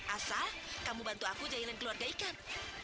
asal kamu bantu aku jajalin keluarga ikan